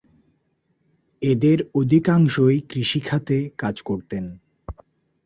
এদের অধিকাংশই কৃষি খাতে কাজ করতেন।